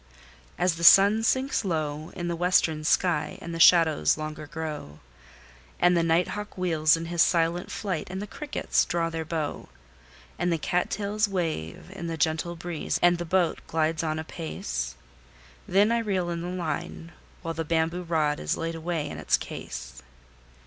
As the sun sinks low in the western sky, and the shadows longer grow, And the night hawk wheels in his silent flight, and the crickets draw their bow, And the cat tails wave in the gentle breeze, and the boat glides on apace; Then I reel in the line, while the bamboo rod is laid away in its case.